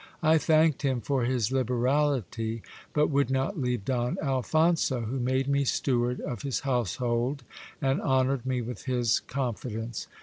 I thanked him for his liberality, but would not leave Don Al phonso, who made me steward of his household, and honoured me with his con fidence.